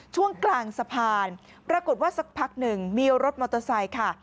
ช่วงกลางสะพานปรากฏว่าสักพักหนึ่งมีรถมอเตอร์ไซค์ค่ะ